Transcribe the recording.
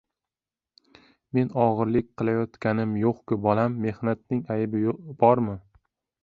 — Men o‘g‘irlik qilayotganim yo‘qku, bolam. Mehnatning aybi bormi?